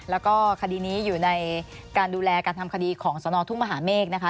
แล้วก็คดีนี้อยู่ในการดูแลการทำคดีของสนทุ่งมหาเมฆนะคะ